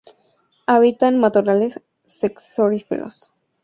Habita en matorrales xerófilos.